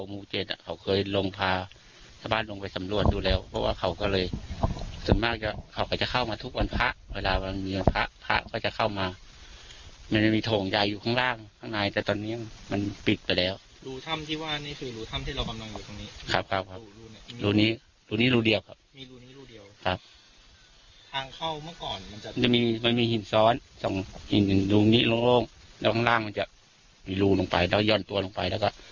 มีรูนี้รูเดียวทางเข้าเมื่อก่อนมันจะมีหินซ้อนหินรูนี้โล่งแล้วข้างล่างมันจะมีรูลงไปแล้วย่อนตัวลงไป